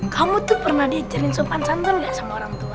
kamu tuh pernah diajarin sopan santal gak sama orang tua